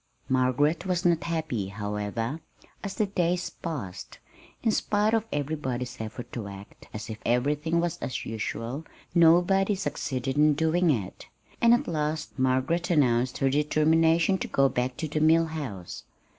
Margaret was not happy, however, as the days passed. In spite of everybody's effort to act as if everything was as usual, nobody succeeded in doing it; and at last Margaret announced her determination to go back to the Mill House.